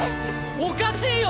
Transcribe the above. おかしいよ！